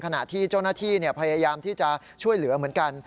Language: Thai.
ขณะที่เจ้าหน้าที่พยายามที่จะช่วยเหลือเหมือนกัน